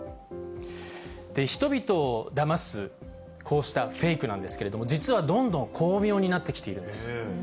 人々をだますこうしたフェイクなんですけれども、実はどんどん巧妙になってきているんです。